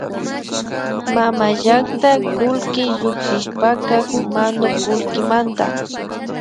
Mamallakta kullki llukshishkapak manukullkimanta